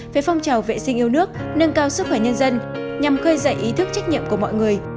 về phong trào vệ sinh yêu nước nâng cao sức khỏe nhân dân nhằm khơi dậy ý thức trách nhiệm của mọi người